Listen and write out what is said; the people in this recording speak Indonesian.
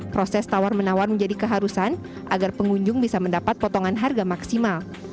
proses tawar menawar menjadi keharusan agar pengunjung bisa mendapat potongan harga maksimal